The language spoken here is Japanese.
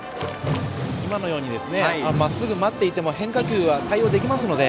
今のようにまっすぐ待っていても変化球は対応できますので。